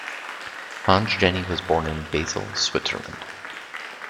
Hans Jenny was born in Basel, Switzerland.